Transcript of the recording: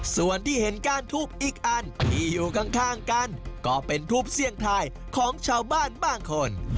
ส่วนที่เห็นก้านทูบอีกอันที่อยู่ข้างกันก็เป็นทูบเสี่ยงทายของชาวบ้านบางคน